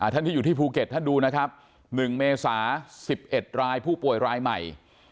ท่านที่อยู่ที่ภูเก็ตท่านดูนะครับ๑เมษา๑๑รายผู้ป่วยรายใหม่